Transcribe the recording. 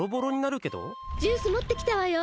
ジュース持ってきたわよ。